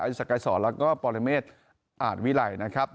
อัยสักกายศรแล้วก็ปรเมธอาทวิไลนะครับ